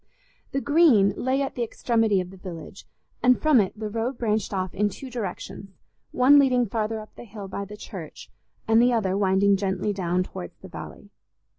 The Green lay at the extremity of the village, and from it the road branched off in two directions, one leading farther up the hill by the church, and the other winding gently down towards the valley.